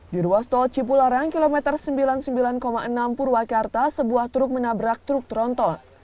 di ruas tol cipularang kilometer sembilan puluh sembilan enam purwakarta sebuah truk menabrak truk tronton